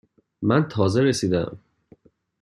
من تازه رسیده ام.